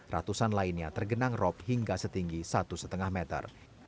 ratusan lainnya tergenang rop hingga setinggi satu lima meter